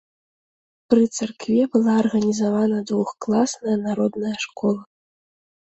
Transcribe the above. Пры царкве была арганізавана двухкласная народная школа.